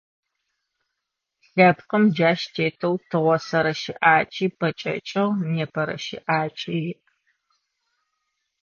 Лъэпкъым джащ тетэу тыгъосэрэ щыӏакӏи пэкӏэкӏыгъ, непэрэ щыӏакӏи иӏ.